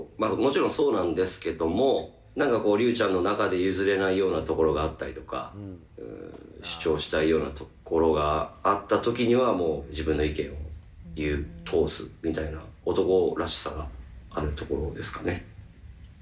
もちろんそうなんですけども、なんかこう、隆ちゃんの中で譲れないようなところがあったりとか、主張したいようなところがあったときにはもう、自分の意見を言う、通すみたいな、男らしさがあるところですかね。